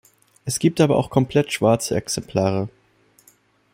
Es gibt aber auch komplett schwarze Exemplare.